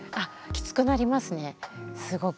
きつくなりますねすごく。